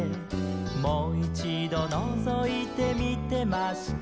「もいちどのぞいてみてました」